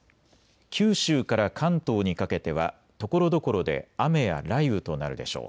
九州から関東にかけてはところどころで雨や雷雨となるでしょう。